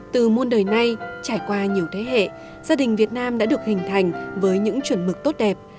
từ muôn đời nay trải qua nhiều thế hệ gia đình việt nam đã được hình thành với những chuẩn mực tốt đẹp